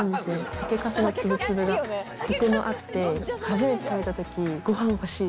酒粕のつぶつぶがコクもあって、初めて食べたときご飯欲しい！